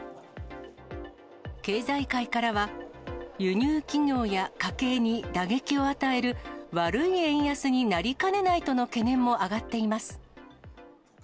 経済界からは輸入企業や家計に打撃を与える悪い円安になりかねないとの懸念も上がっています。